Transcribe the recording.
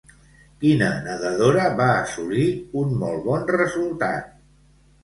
Quina nadadora va assolir un molt bon resultat?